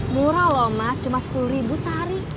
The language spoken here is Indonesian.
murah loh mas cuma sepuluh ribu sehari